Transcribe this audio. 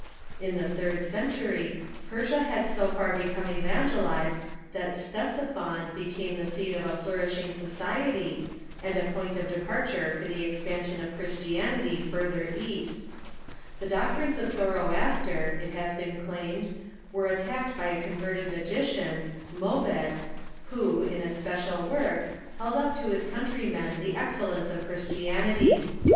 In the third century, Persia had so far become evangelized that Ctes iphon became the seat of a flourishing society, and a point of departure for the expansion of Christianity farther east. The THE EXPANSION OF CHRISTIANITY 97 doctrines of Zoroaster, it lias been claimed, were attacked by a converted magian, Mobed, Avho, in a special work, held up to his countrymen the excellence of Christianity.